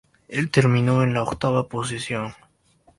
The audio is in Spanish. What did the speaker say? El terminó en la octava posición.